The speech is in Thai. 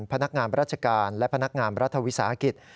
พนักงานราชการและพนักงานรัฐวิสาหกิจ